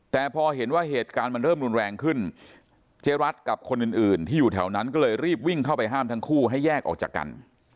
แต่พอเห็นว่าเหตุการณ์มันเริ่มรุนแรงขึ้นเจ๊รัฐกับคนอื่นที่อยู่แถวนั้นก็เลยรีบวิ่งเข้าไปห้ามทั้งคู่ให้แยกออกจากกัน